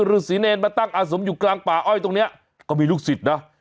ฤษีเนรมาตั้งอาสมอยู่กลางป่าอ้อยตรงเนี้ยก็มีลูกศิษย์นะ